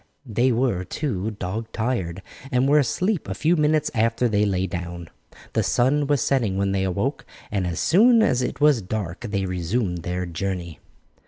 They were, too, dog tired, and were asleep a few minutes after they lay down. The sun was setting when they awoke, and as soon as it was dark they resumed their journey.